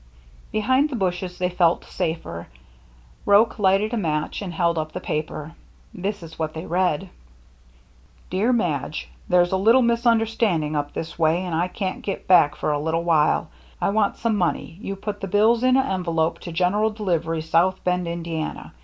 Behind the bushes they felt safer. Roche lighted a match and held up the paper. This is what they read :— "I VAN DEELEN'S BRIDGE 301 " Dear Madge : There's a little misunder standing up this way and I can't get back for a little while I want some money you put the bills in a envelope to generel dilivry South Bend Indiana.